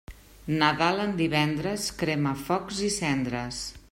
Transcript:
Nadal en divendres, crema focs i cendres.